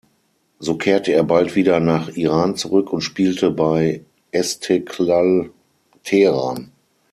So kehrte er bald wieder nach Iran zurück und spielte bei Esteghlal Teheran.